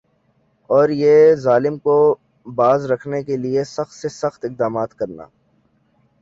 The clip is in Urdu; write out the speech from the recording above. اور یِہ ظالم کو باز رکھنا کا لئے سخت سے سخت اقدامات کرنا